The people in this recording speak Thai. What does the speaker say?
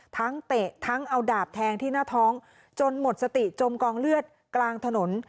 เตะทั้งเอาดาบแทงที่หน้าท้องจนหมดสติจมกองเลือดกลางถนน